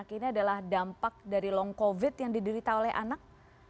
ini adalah dampak dari long covid yang diderita oleh anak